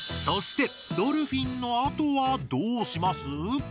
そしてドルフィンのあとはどうします？